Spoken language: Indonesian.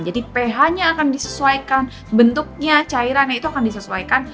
jadi ph nya akan disesuaikan bentuknya cairannya itu akan disesuaikan